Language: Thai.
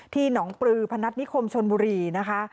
หนองปลือพนัฐนิคมชนบุรีนะคะ